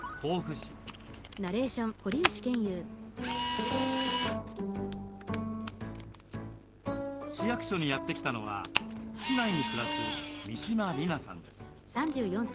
市役所にやって来たのは市内に暮らす三嶋利奈さんです。